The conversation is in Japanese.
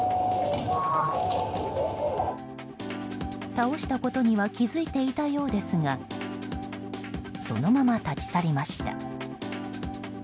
倒したことには気づいていたようですがそのまま立ち去りました。